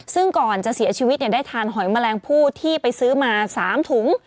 ซึ่งก่อนจะเสียชีวิตได้ทานหอยแมลงผู้ที่ไปซื้อมา๓ถุง